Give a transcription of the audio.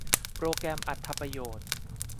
โปรแกรมอรรถประโยชน์